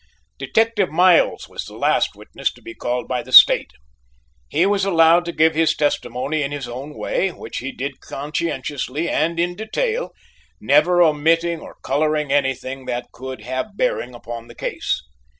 Detective Miles was the last witness to be called by the State. He was allowed to give his testimony in his own way, which he did conscientiously and in detail, neither omitting or coloring anything that could have bearing upon the case.